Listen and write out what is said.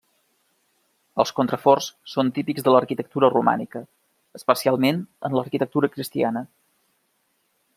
Els contraforts són típics de l'arquitectura romànica, especialment en l'arquitectura cristiana.